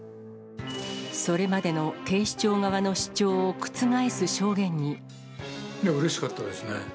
それまでの警視庁側の主張をうれしかったですね。